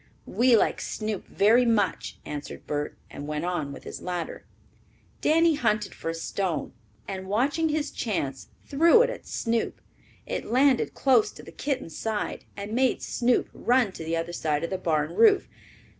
"We like Snoop very much," answered Bert, and went on with his ladder. Danny hunted for a stone, and watching his chance threw it at Snoop. It landed close to the kitten's side and made Snoop run to the other side of the barn roof.